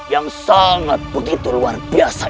yang sangat begitu luar biasa